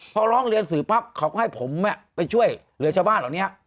พอร้องเรียนสื่อปั๊บเขาก็ให้ผมไปช่วยเหลือชาวบ้านเหล่านี้